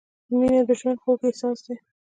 • مینه د ژوند خوږ احساس دی.